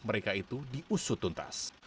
mereka itu diusut tuntas